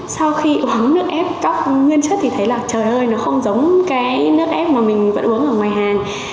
sau khi uống nước ép cóc nguyên chất thì thấy là trời hơi nó không giống cái nước ép mà mình vẫn uống ở ngoài hàng